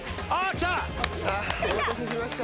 お待たせしました。